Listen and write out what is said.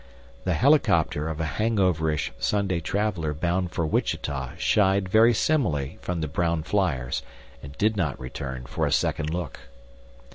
The helicopter of a hangoverish Sunday traveler bound for Wichita shied very similarly from the brown fliers and did not return for a second look.